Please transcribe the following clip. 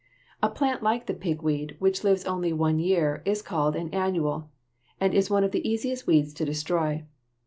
A plant like the pigweed, which lives only one year, is called an annual and is one of the easiest weeds to destroy.